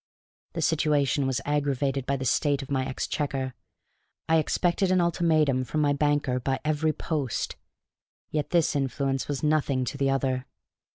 The situation was aggravated by the state of my exchequer. I expected an ultimatum from my banker by every post. Yet this influence was nothing to the other.